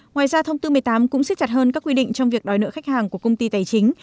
ngoài ra thông tư một mươi tám cũng xích chặt hơn các quy định trong việc đòi nợ khách hàng của công ty tài chính